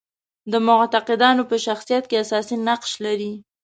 د معتقدانو په شخصیت کې اساسي نقش لري.